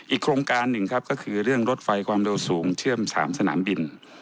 โครงการหนึ่งครับก็คือเรื่องรถไฟความเร็วสูงเชื่อม๓สนามบิน